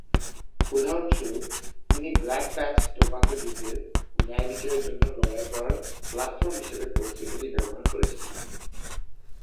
উদাহরণস্বরুপ, তিনি Black Patch Tobacco যুদ্ধের ন্যায়বিচারের জন্য লড়াই করার প্ল্যাটফর্ম হিসাবে পত্রিকাটি ব্যবহার করেছিলেন।